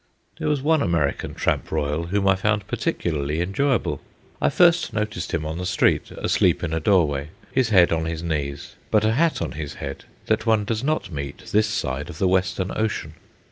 There was one American tramp royal whom I found particularly enjoyable. I first noticed him on the street, asleep in a doorway, his head on his knees, but a hat on his head that one does not meet this side of the Western Ocean.